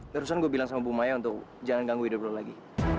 terusan gue bilang sama bu maya untuk jangan ganggu hidup roll lagi